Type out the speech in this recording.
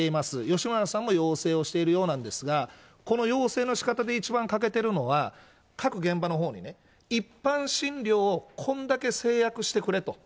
吉村さんも要請をしているようなんですが、この要請のしかたで一番欠けてるのは、各現場のほうにね、一般診療をこんだけ制約してくれと。